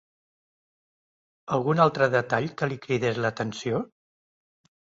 Algun altre detall que li cridés l'atenció?